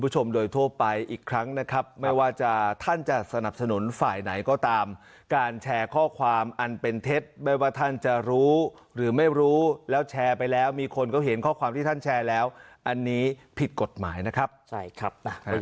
ใช่ครับก็ย้ำเตือนไว้ทุกกรณีนะครับ